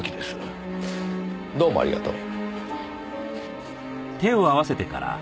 どうもありがとう。